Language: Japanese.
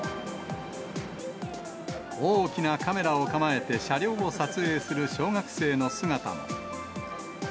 大きなカメラを構えて車両を撮影する小学生の姿も。